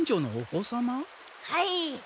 はい。